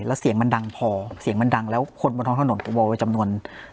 แล้วเสียงมันดังพอเสียงมันดังแล้วคนบนท้องถนนก็วอลไว้จำนวน